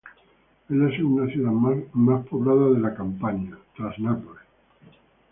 Es la segunda ciudad más poblada de la Campania, tras Nápoles.